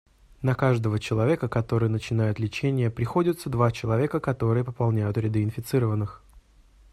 На каждого человека, который начинает лечение, приходятся два человека, которые пополняют ряды инфицированных.